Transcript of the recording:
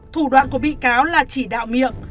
thủ đoạn của bị cáo là chỉ đạo miệng